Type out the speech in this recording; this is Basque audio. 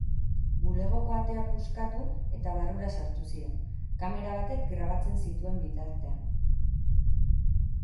Bulegoko atea puskatu eta barrura sartu ziren, kamera batek grabatzen zituen bitartean.